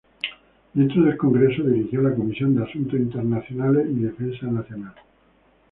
Dentro del Congreso dirigió la comisión de asuntos internacionales y defensa nacional.